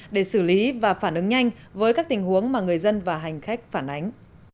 để xử lý và phản ứng nhanh với các tình huống mà người dân và hành khách phản ánh